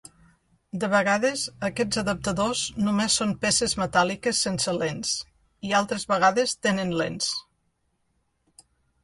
De vegades aquests adaptadors només són peces metàl·liques sense lents i altres vegades tenen lents.